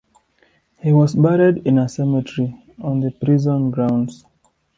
He was buried in a cemetery on the prison grounds.